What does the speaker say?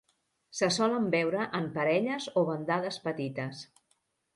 Se solen veure en parelles o bandades petites.